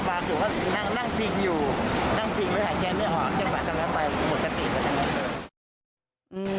ก็บาทกำลังไปหมดสติกต่อแทนเอาเติม